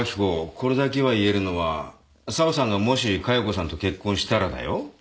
これだけは言えるのは沢さんがもし加代子さんと結婚したらだよ